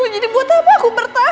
jadi buat apa aku bertahan